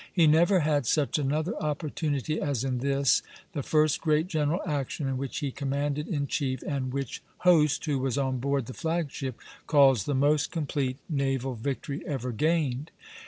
He never had such another opportunity as in this, the first great general action in which he commanded in chief, and which Hoste, who was on board the flag ship, calls the most complete naval victory ever gained.